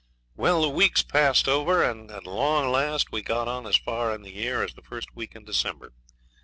Well, the weeks passed over, and at long last we got on as far in the year as the first week in December.